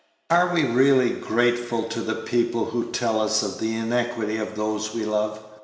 Are we ever really grateful to the people who tell us of the iniquity of those we love?